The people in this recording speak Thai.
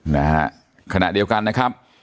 นะฮะขณะเดียวกันนะครับ